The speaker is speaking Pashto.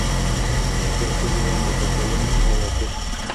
د ښځو ونډه په ټولنه کې حیاتي ده.